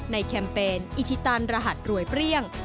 แคมเปญอิชิตันรหัสรวยเปรี้ยง